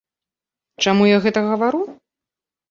Чаму я гэта гавару?